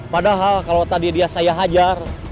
padahal kalau tadi dia saya hajar